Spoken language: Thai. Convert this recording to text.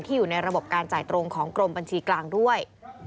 อยู่ในระบบการจ่ายตรงของกรมบัญชีกลางด้วย